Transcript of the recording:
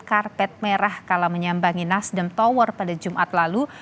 karena penyambutan karpet merah kala menyambangi nasdem tower pada jumat lalu